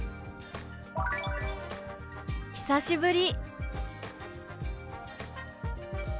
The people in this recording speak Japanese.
「久しぶり」。